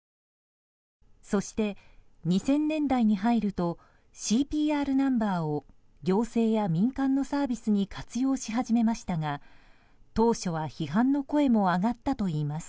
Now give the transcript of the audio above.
そして、２０００年代に入るとＣＰＲナンバーを行政や民間のサービスに活用し始めましたが当初は批判の声も上がったといいます。